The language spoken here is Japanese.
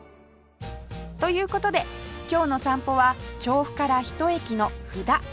という事で今日の散歩は調布からひと駅の布田